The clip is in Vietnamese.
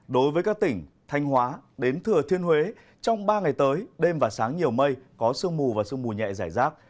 đối với các tỉnh thanh hóa đến thừa thiên huế trong ba ngày tới đêm và sáng nhiều mây có sương mù và sương mù nhẹ giải rác